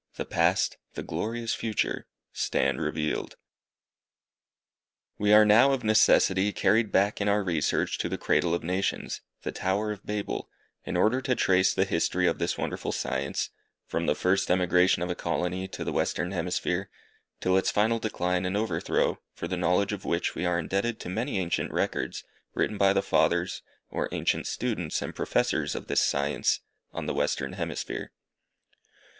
The past, the glorious future, stand revealed. We are now, of necessity, carried back in our research to the cradle of nations, the Tower of Babel, in order to trace the history of this wonderful science, from the first emigration of a colony to the western hemisphere, till its final decline and overthrow, for the knowledge of which we are indebted to many ancient records, written by the fathers, or ancient students and professors of this science, on the western hemisphere.